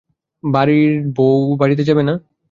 বাড়ির বউ বাড়িতে যাবে না–?